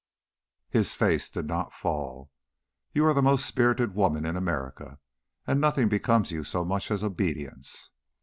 His face did not fall. "You are the most spirited woman in America, and nothing becomes you so much as obedience."